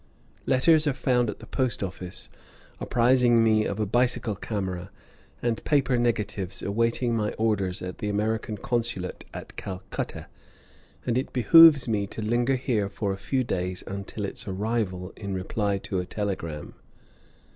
Letters are found at the post office apprising me of a bicycle camera and paper negatives awaiting my orders at the American Consulate at Calcutta, and it behooves me to linger here for a few days until its arrival in reply to a telegram.